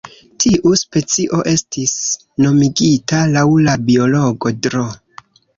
Tiu specio estis nomigita laŭ la biologo Dro.